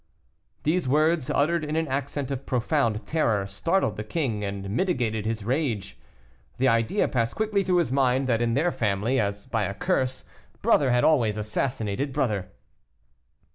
These words, uttered in an accent of profound terror, startled the king and mitigated his rage. The idea passed quickly through his mind that in their family, as by a curse, brother had always assassinated brother.